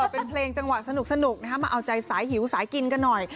เป็นเพลงจังหวะสนุกมาเอาใจสายหิวสายกินกันหน่อย